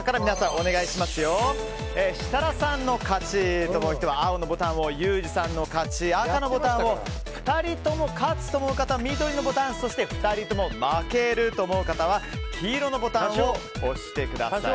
設楽さんの勝ちと思う人は青のボタンをユージさんの勝ちは赤のボタンを２人とも勝つと思う方は緑のボタンそして２人とも負けると思う方は黄色のボタンを押してください。